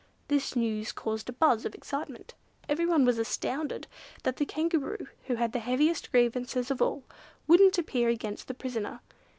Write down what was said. This news caused a buzz of excitement. Everyone was astounded that the Kangaroo, who had the heaviest grievances of all, wouldn't appear against the prisoner.